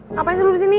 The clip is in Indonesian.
ngapain sih lo disini